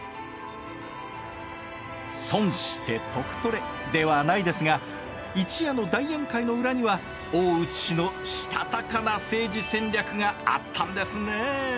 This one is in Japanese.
「損して得取れ」ではないですが一夜の大宴会の裏には大内氏のしたたかな政治戦略があったんですね。